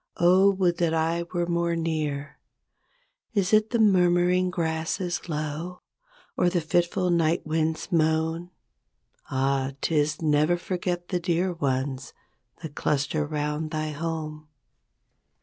0, would that I were more near! Is it the murmuring grasses low. Or the fitful night wind's moan? Ah! 'tis "Never forget the Dear Ones That cluster 'round thy home".